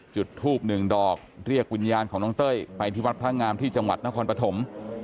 จุดทูบหนึ่งดอกเรียกวิญญาณของน้องเต้ยไปที่วัดพระงามที่จังหวัดนครปฐม